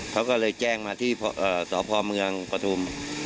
เขาก็เลยแจ้งมาที่สพเมืองปฐุม